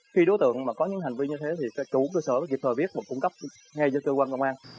khi đối tượng mà có những hành vi như thế thì chủ cơ sở kịp thời biết và cung cấp ngay cho cơ quan công an